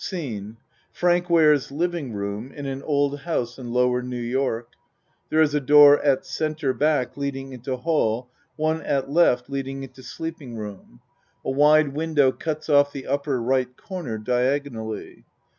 Scene Frank Ware's living room in an old house in lower New York. There is a door at C. back leading into hall. One at L. leading into sleeping room. A wide window cuts off the upper R. corner diagonally.